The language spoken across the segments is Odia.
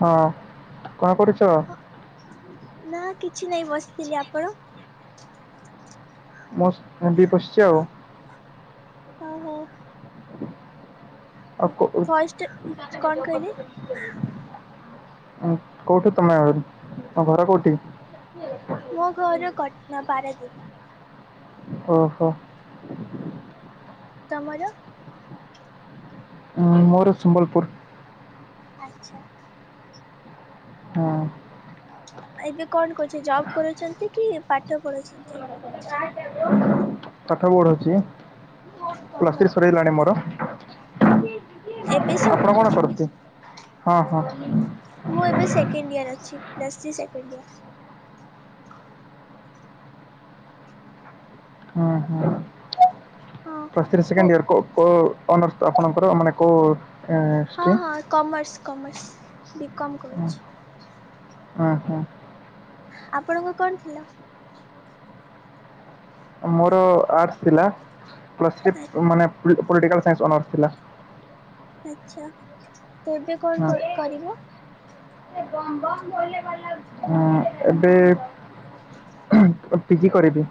ହଁ କଣ କରୁଛ? ନା କିଛି ନାଇଁ ବସିଥିଲି ଆପଣ? [unintelligible] ହଉ ହଉ। [unintelligible] ଭଏସଟା କଣ କହିଲେ କୋଉଠି ତମେ ଆହୁରି ତମ ଘର କୋଉଠି? [inaudible] ମୋ ଘର କଟଣା ପାରାଦ୍ୱୀପ। ଓହୋ। ତମର? ମୋର ସମ୍ବଲପୁର। ଆଚ୍ଛା। ହଁ, ଏବେ କଣ କରୁଛି ଜବ କରୁଛନ୍ତି କି ପାଠ ପଢୁଛନ୍ତି? ପାଠ ପଢୁଛି ପ୍ଲସ୍ ଓହୋ ଥ୍ରି ସରିଗଲାଣି ମୋର। ଏବେ ଆପଣ ସରିଲା? କ'ଣ କରନ୍ତି ହଁ ହଁ ମୁଁ ଏବେ ସେକେଣ୍ଡ ଇୟର ଅଛି ପ୍ଲସ୍ ଥ୍ରି ସେକେଣ୍ଡ ଇୟର। ଉଁ ହୁଁ ହଁ ପ୍ଲସ ଥ୍ରି କୁ ସେକେଣ୍ଡିୟର କୋ କୋ ଅନର୍ସ ଆପଣଙ୍କର ମାନେ କୋଉ ହଁ ହଁ କମର୍ସ କମର୍ସ ବିକମ୍ କରୁଛି। ଉଁ ହୁଁ। ଆପଣଙ୍କୁ କଣ ଥିଲ। ମୋର ଆର୍ଟସ୍ ଥିଲା। ପ୍ଲାସ ଥ୍ରି ମାନେ ପଲ୍ଟିକାଲ ସାଇନ୍ସ ଅନର୍ସ ଥିଲା। ଆଛା ତ ଏବେ କଣ କ କରିବ। ସେ ଗମ ଗମ [unintelligible] ହଁ ଏବେ ପିଜି କରିବି।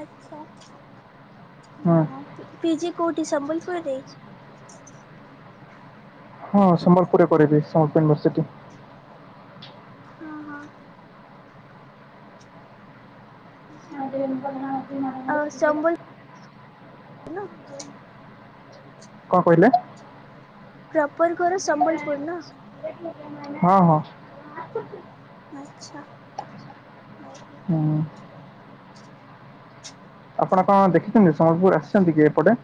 ଆଚ୍ଛା ହଁ ଉଁହୁଁ ପିଜି କଉଠି ସମ୍ବଲପୁରରେ। ହଁ ସମ୍ବଲପୁରରେ କରିବି ସାଉଥ ୟୁନିଭରସିଟି। ହଁ ହଁ। ଆଉ ସମ୍ବଲ ଇନ କଣ କହିଲେ? ପ୍ରପର ଘର ସମ୍ବଲପୁରୁ ନା? ହଁ ହଁ। ଆଚ୍ଛା ଆଉ ହୁଁ। ଆପଣ କଣ ଦେଖିଛନ୍ତି। ସମ୍ବଲପୁର ଆସିଛନ୍ତି କି ଏପଟେ।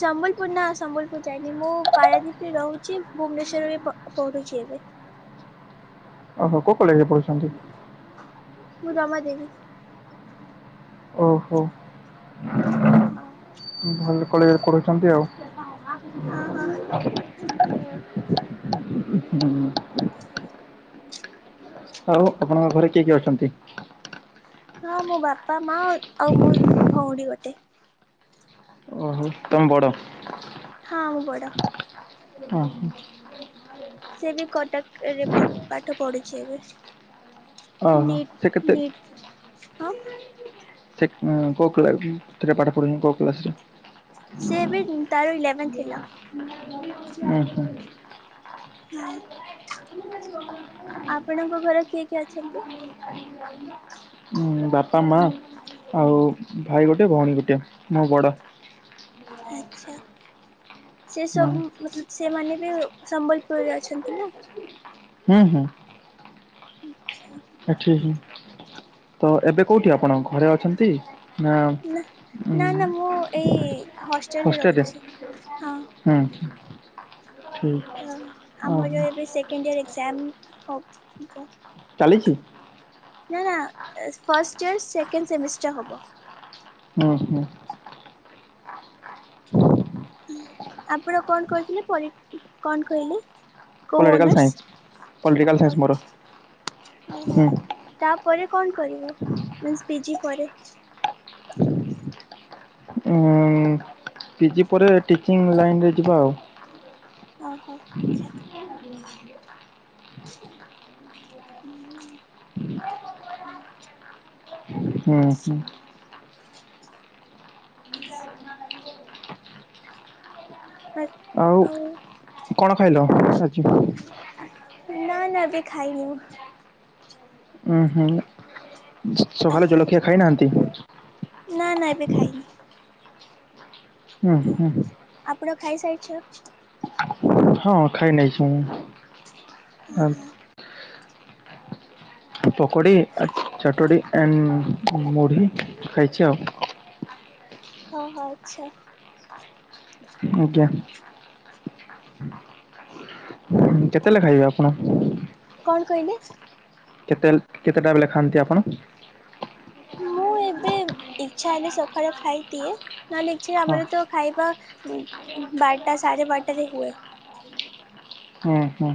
ସମ୍ବଲପୁର ନା ସମ୍ବଲପୁର ଯାଇନି। ମୁଁ ପାରାଦ୍ୱୀପରେ ରହୁଛି ଭୁବନେଶ୍ୱର ରେ ପଢ଼ୁଛି ଏବେ। ଓହୋ କୋଉ କଲେଜରେ ପଢୁଛନ୍ତି। ମୁଁ ରମା ଦେବୀ। ଓହୋ। ହଁ। ଭଲ କଲେଜରେ ପଢଉଛନ୍ତି ଆଉ। ହଁ ହଁ ତ ଉଁ ହୁଁ ବୁଲି ଏଇଠି ଥିଲି। ଆଉ ଆପଣଙ୍କ ଘରେ କିଏ କିଏ ଅଛନ୍ତି? ହଁ ମୋ ବାପା ମା ଆଉ ମୋ ଭଉଣୀ ଗୋଟେ। ଉ ତମେ ବଡ଼। ହଁ ମୁଁ ବଡ। ଓ ହୋ। ସେ ବି କଟକରେ ପ ପାଠ ପଢୁଛି ଏବେ? ଓହୋ ସେ ନୀଟ କେତେ ନୀଟ ହଁ। ସେ ଉଁ କୋଉ କ୍ଲା ଉଁ ପାଠ ଯା ପାଠ ପଢୋଉନ କୋଉ କ୍ଲାସ ରେ। ସିଏବି ତାର ଇଲେଭେନ୍ ଥିଲା। ଉଁ ହୁଁ। ହଁ। କି ଆପଣଙ୍କ ଘରେ କିଏ କିଏ ଅଛନ୍ତି। ଉଁ ଉଁ ବାପା ମା ଆଉ ଭାଇ ଗୋଟେ ଭଉଣୀ ଗୋଟେ ମୁଁ ବଡ଼। ଆଛା ଶେସବୁ ହଁ ମା ସେମାନେ ବି ସମ୍ବଲପୁରରେ ଅଛନ୍ତିନା। ହୁଁ ହୁଁ। ଆଚ୍ଛା। ଏଠିହି ତ ଏବେ କୋଉଠି ଆପଣ ଘରେ ଅଛନ୍ତି ନା, ଉଁ ନା ନା ମୁଁ ଏଇ ହଷ୍ଟେଲରେ ରହୁଛି, ହଁ। ହୁଁ। ଠିକ୍ ତ ଓହୋ ଆମର ଏବେ ସେକେଣ୍ଡ ଇୟର ଏକ୍ଜାମ ହବ୍ ବ। ଚାଲିଛି? ନା ନା ଫାଷ୍ଟ ଇୟର ସେକେଣ୍ଡ ସେମିଷ୍ଟାର ହବ। ଉଁ ହୁଁ। ହଁ ଆପଣ କଣ କରିଥିଲେ ପରି, କଣ କହିଲେ? କୋଉ political science honours, political science ମୋର ପଲ୍ ଓହୋ। ହୁଁ ତାପରେ କଣ କରିବ, ମିନ୍ସ ପିଜି ପରେ? ଉ ପିଜି ପରେ ଟିଚିଂ ଲାଇନ ରେ ଯିବା ଆଉ। ଓହୋ। ଆଚ୍ଛା। ଉଁ ହୁଁ ହୁଁ। ଉଁ ହୁଁ। ଆଉ କଣ ଖାଇଲ ଆଜି? ନା ନା ଏବେ ଖାଇନି ମୁଁ। ଉୁଁ ହୁଁ, ସକାଳେ ଜଳଖିଆ ଖାଇନାହାନ୍ତି? ନା ନା ଏବେ ଖାଇନି। ଉଁ ହୁଁ। ଆପଣ ଖାଇ ସାରିଛ? ହଁ ଖାଇ ନେଇଛି ମୁଁ। ଆ, ଆଃହା। ପକୋଡି, ଚଟଡି ଆଣ୍ଡ ମୁଢ଼ି ଖାଇଛି ଆଉ। ହଁ ହଁ ଆଚ୍ଛା। ଆଜ୍ଞା। କେତେଲେ ଖାଇବେ ଆପଣ? କଣ କହିଲେ? କେତେଲ କେତେଟାବେଲେ ଖାଆନ୍ତି ଆପଣ? ମୁଁ ଏବେ ଇଚ୍ଛା ହେଲେ ସଖାଳେ ଖାଇ ଦିଏ। ନଲେ ଏଠି ହଁ ଆମର ତ ଖାଇବା ଵାରେଟା ସାଢ଼େ ବାରେଟା ରେ ହୁଏ। ହୁଁ ହୁଁ।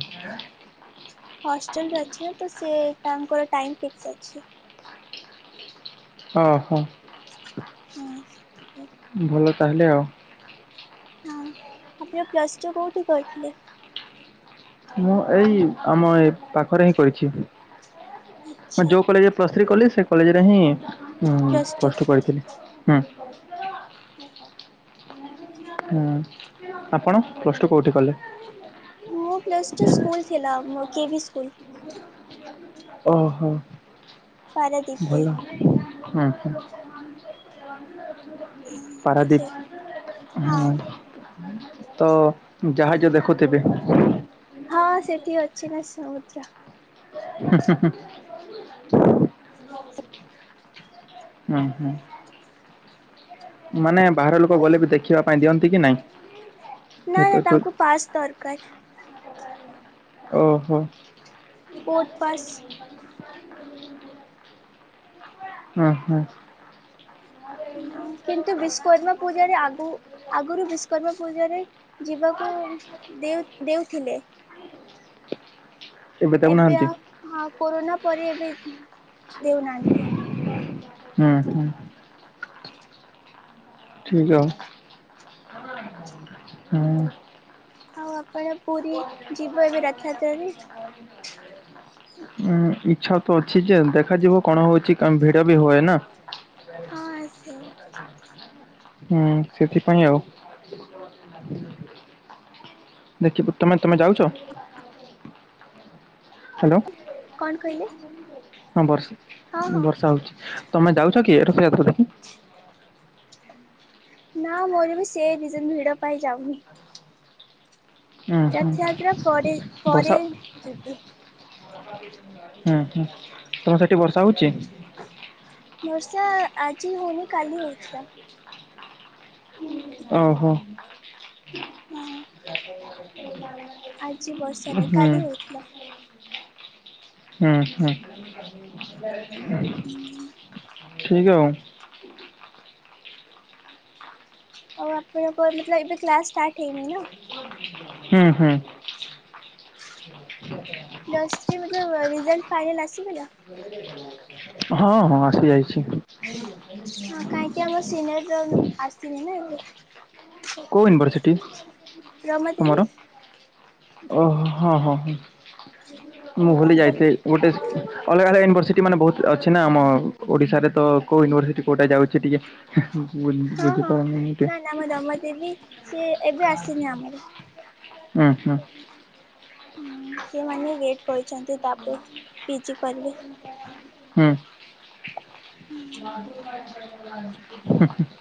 ହଷ୍ଟେଲରେ ଅଛି ନା ସେ ତାଙ୍କର ଟାଇମ ଫିକ୍ସ ଅଛି। ଓହୋ। ହୁଁ। ଭଲ ତାହେଲେ ଆଉ। ହଁ ଆପଣ ପ୍ଲସ୍ ଟୁ କେଉଁଠି କରିଥିଲେ? ମୁଁ ଏଇ ଆମ ଏ ପାଖରେ ହିଁ କରିଛି ଆଚ୍ଛା ଯୋଉ କଲେଜ ପ୍ଲସ୍ ଥ୍ରୀ କଲି ସେ କଲେଜରେ ହିଁ ପ୍ଲସ୍ ଟୁ ପଢ଼ିଥିଲି, ହୁଁ ଓହୋ। ହୁଁ ଆପଣ ପ୍ଲସ ଟୁ କୋଉଠି କଲେ? ମୁଁ ପ୍ଲସ ଟୁ ସ୍କୁଲ ଥିଲା, କେ ଭି ସ୍କୁଲ। ଓହୋ ପାରାଦୀପ ଦେଇ ଭଲ। ହୁଁ। ହଁ ତ ସେ ପାରାଦୀପ ହଁ। ତ ଜାହାଜ ଦେଖୁଥିବେ? ହଁ ସେଠି ଅଛି ନା ସମୁଦ୍ର। ହୁଁ ହୁଁ ହୁଁ। [inaudible] ଉଁ ହୁଁ। ମାନେ ବାହାର ଲୋକ ହଇ ଗଲେ ବି ଦେଖିବା ପାଇଁ ଦିଅନ୍ତି କି ନାହିଁ? ନା ନା ତାଙ୍କୁ ପାସ୍ ଦରକାର। ଓହୋ। Photo pass. ଓ ହୋ ହୁଁ କିନ୍ତୁ ବିଷ୍କର୍ମା ପୂଜାରେ ଆଗୁ ଆଗୁରୁ ବିଷ୍କ୍ରମା ପୂଜାରେ- ଯିବାକୁ ଦେଉ ଦେଉଥିଲେ। ଏବେ ଆ ହଁ କୋରୋନା ପରେ ଏବେ ଦେଉନାହାନ୍ତି। ହୁଁ ହୁ ଠିକ୍ ଅ ହୁଁ ଆଉ ଆପଣ ପୁରୀ ଯିବ ଏବେ ରଥଯାତ୍ରାରେ [unintelligible] ହୁ ଇଚ୍ଛା ତ ଅଛି ଯେ ଦେଖାଯିବ କଣ ହଉଛି କାନ ଭିଡ ବି ହୁଏ ନା ହଁ ଆ ସେୟା [inaudible] ହୁଁ ସେଥିପାଇଁ ଆଉ [inaudible] ଦେଖିବୁ ତମେ ତମେ ଯାଉଛ ହ୍ୟାଲୋ କଣ କହିଲେ ହଁ ବର୍ଷା ହଁ ହଁ ବର୍ଷା ହଉଛି ତମେ ଯାଉଛ କି ରଥଯାତ୍ରା ଦେଖି ନା ମୋର ବି ସେ ରିଯିନି ଭିଡ଼ ପାଇଁ ଯାଉନି ହୁଁ ହୁଁ ରଥଯାତ୍ରା ପରେ ବର୍ଷା ପରେ ଯିବି ହୁଁ ହୁଁ ତମର ସେଠି ବର୍ଷା ହଉଛି? ବର୍ଷା ଆଜି ହଉନି କାଲି ହଉଥିଲା ଓହୋ ହଁ ଆଜି ବର୍ଷ ନାହିଁ ହୁଁ କାଲି ହଉଥିଲା ହୁଁ ହୁଁ ଠିକ ଆଉ ଆଉ ଆପଣଙ୍କ ମତଲବ ଏବେ କ୍ଲାସ୍ ଷ୍ଟାର୍ଟ ହେଇନି ନା ହୁଁ ହୁଁ [inaudible] [inaudible] ନର୍ସ୍ରୀ ମତଲବ ରିଜଲ୍ଟ ଫାଇନାଲ୍ ଆସିଗଲା। [unintelligible] ହଁ ହଁ ଆସି ଯାଇଛି। ହଁ କାହିଁକି ଆମ ସିନିୟର ର ଆସିିନି ନା ଏବେ କୋଉ ୟୁନିବର୍ସିଟି ରମା ଦେବୀ ତମର? ଓ ହଁ ହଁ ହ ତ ମୁଁ ଭଲି ତାଙ୍କରି ଯାଇଥିଲି ଗୋଟେ ଅଲଗା ଅଲଗା ୟୁନିଭର୍ସିଟି ମାନେ ବହୁତ ଅଛି ନା ଆମ ଓଡିଶାରେ ତ କୋଉ ୟୁନିଭର୍ସିଟି କୋଉଟା ଯାଉଛି ଟିକେ ବୁଝି ବୁଝିପାରୁନି ଟେ [unintelligible] ମୁଁ ଦମା ଦେବି ସିଏ ଏବେ ଆସିନି ଆମର। ହୁଁ ହୁଁ। ହୁଁ ସେମାନେ ୱେଟ କରିଛନ୍ତି ତାପରେ ପିଜି କରିବେ। ହୁଁ। ହୁଁ। ହୁଁ ହୁ।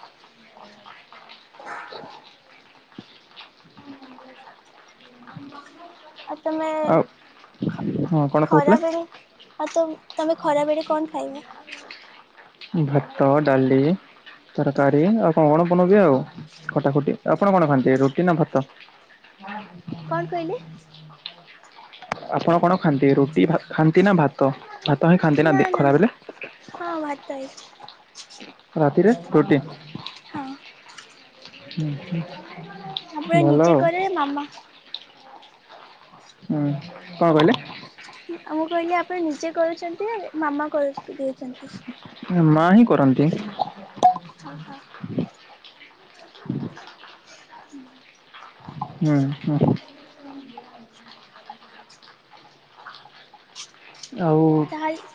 ଆ ତମେ ଆଉ ହଁ କଣ କହୁଥିଲେ? ଖ-ଖରା-ରେ ରୁ ଆଉ ତ-ତମେ ଖରା ବେଳେ କଣ ଖାଇବ? ଭାତ ଡାଲି। ତରକାରୀ ଆଉ କଣ କଣ ବନେଇବି ଆଉ ଖଟା ଖୁଟି ଆପଣ କଣ ଖାଆନ୍ତି ରୁଟି ନା ଭାତ? [inaudible] କଣ କହିଲେ? ଆପଣ କଣ ଖାଆନ୍ତି ରୁଟି ଖାଆନ୍ତି ନା ଭାତ ଭାତ ହିଁ ଖାଆନ୍ତି ନା ଦେ ଖରା ବେଲେ? ହଁ ଭାତ ହିଁ। ଆଉ ରାତିରେ ରୁଟି? ହଁ। ହୁଁ ହୁଁ। ଆପଣ ନିଜେ କରେ ମାମା? ହୁଁ କଣ କହିଲେ? ମୁଁ କହିଲି ଆପଣ ନିଜେ କରୁଛନ୍ତି ମାମା କର ଦଉଛନ୍ତି? ମା ହିଁ କରନ୍ତି। ଓ ହୋ। ହୁଁ ହୁଁ। ଆଉ ତାହେଲେ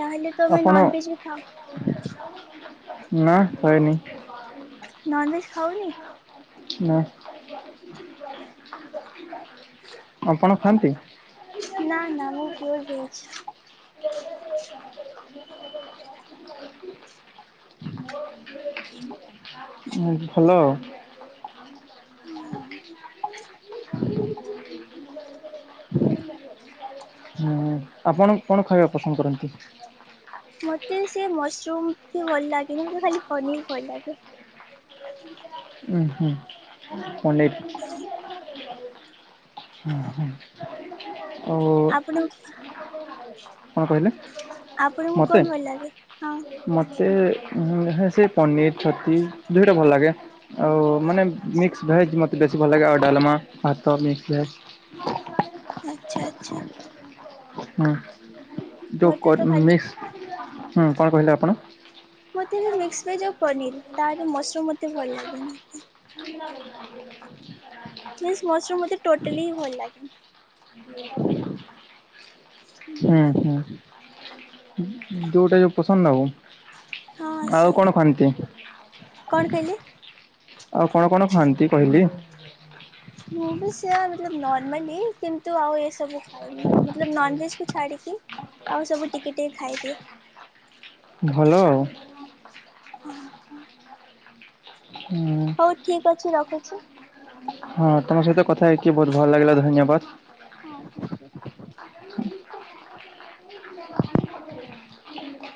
ତାହେଲେ ତ ତମେ ଆପଣ ନନଭେଜ୍ ବି ଖାଅ? ନା ଖାଏନି। ନନଭେଜ୍ ଖାଅନି? ନାଁ। ଓ ହୋ। ଆପଣ ଖାଆନ୍ତି? ନା ନା ମୁଁ ପିଓର୍ ଭେଜ। ଓ ଭଲ। ହଁ ହୁଁ ଆପଣ କଣ ଖାଇବା ପସନ୍ଦ କରନ୍ତି? ମୋତେ ସେ ମସରୁମ୍ ବି ଭଲ ଲାଗେନି ମୋତେ ଖାଲି ପନିର୍ ଭଲ ଲାଗେ। ଉଁ ହୁଁ ପନିର। ହୁଁ ହଁ ଓ ଆପଣ କଣ କହିଲେ? ଆପଣଙ୍କୁ କଣ ଭଲ ଲାଗେ? ହଁ। ମତେ ଉ ହେ ସେ ପନିର, ଛତୁ ଦୁଇଟା ଭଲ ଲାଗେ। ଆଉ ମାନେ ମିକ୍ସ ଭେଜ ମତେ ବେଶୀ ଭଲ ଲାଗେ ଆଉ ଡାଲମା, ଭାତ, ମିକ୍ସ ଭେଜ। ଆଚ୍ଛା ଆଚ୍ଛା। ହୁଁ ଡୁକ ମତେ ତ କର ଖାଲି ମିକ୍ସ ହୁଁ କଣ କହିଲେ ଆପଣ? ମୋତେ ବି ମିକ୍ସ ଭେଜ୍ ଆଉ ପନିର୍ ତାର ମସରୁମ୍ ମୋତେ ଭଲ ଲାଗେନି। [inaudible] ମିକ୍ସ ମସ୍ରୁମ୍ ମୋତେ ଟୋଟଲି ହିଁ ଭଲ ଲାଗେନି। [inaudible] [inaudible] ହୁଁ ହୁଁ। ଯେଉଟା ପସନ୍ଦ ଆଉ। ହଁ ଆ ଆଉ କଣ ଖାଆନ୍ତି? କଣ କହିଲି? ଆଉ କଣ କଣ ଖୁଆନ୍ତି କହିଲେ? ମୁଁ ସେଇଆ କିନ୍ତୁ ଆଉ ଏ ସବୁ ଖଏନିଭେଜ କୁ ଛାଡ଼ିକି। ଆଉ ସବୁ ଟିକେ ଟିକେ ଖାଇଦିଏ। ଭଲ ଆଉ। ହଁ ହଁ। ହୁଁ। ହଉ ଠିକ ଅଛି ରଖୁଛି। ହଁ ତମ ସହିତ କଥା ହେଇକି ବହୁତ ଭଲ ଲାଗିଲା ଧନ୍ୟବାଦ। ହଁ।